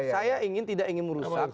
saya ingin tidak ingin merusak